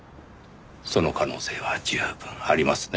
その可能性は十分ありますね。